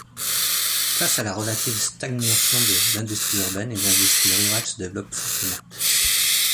Face à la relative stagnation de l’industrie urbaine, les industries rurales se développent fortement.